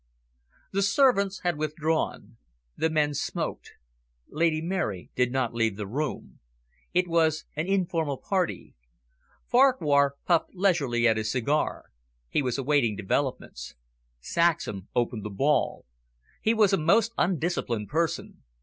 The servants had withdrawn. The men smoked. Lady Mary did not leave the room. It was an informal party. Farquhar puffed leisurely at his cigar. He was awaiting developments. Saxham opened the ball. He was a most undisciplined person.